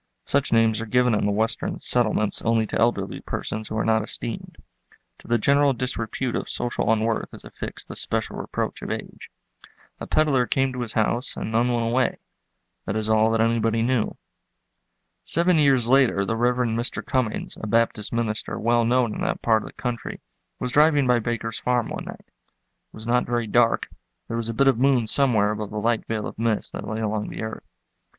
(Such names are given in the western "settlements" only to elderly persons who are not esteemed; to the general disrepute of social unworth is affixed the special reproach of age.) A peddler came to his house and none went away—that is all that anybody knew. Seven years later the Rev. Mr. Cummings, a Baptist minister well known in that part of the country, was driving by Baker's farm one night. It was not very dark: there was a bit of moon somewhere above the light veil of mist that lay along the earth.